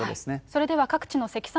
それでは各地の積算